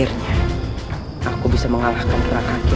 gerakan jurus membuka pagar gaib itu